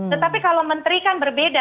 tetapi kalau menteri kan berbeda